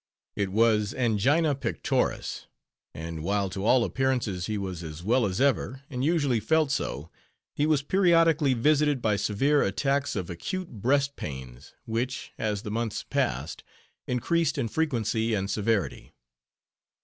It was angina pectoris, and while to all appearances he was as well as ever and usually felt so, he was periodically visited by severe attacks of acute "breast pains" which, as the months passed, increased in frequency and severity.